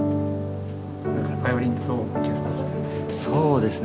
そうですね。